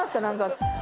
何か。